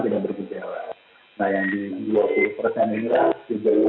tapi benjalanya enak bahkan tidak berbenjela